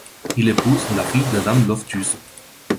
Il épouse la fille d'Adam Loftus.